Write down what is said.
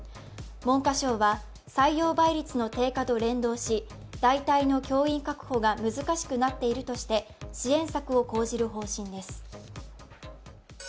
文科省は採用倍率の低下と連動し代替の教員確保が難しくなっているとして支援策を講じる方針です。